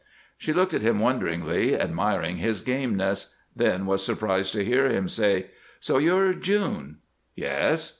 She looked at him wonderingly, admiring his gameness; then was surprised to hear him say: "So you're June!" "Yes."